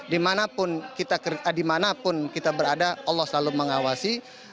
dimanapun dimanapun kita berada allah selalu mengawasi